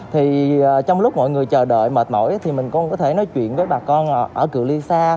thì trong lúc mọi người chờ đợi mệt mỏi thì mình cũng có thể nói chuyện với bà con ở cựu lisa